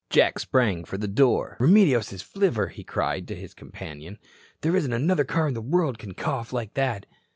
Jack sprang for the door. "Remedios's flivver," he cried to his companion. "There isn't another car in the world can cough like that."